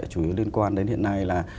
chủ yếu liên quan đến hiện nay là